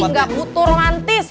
gak butuh romantis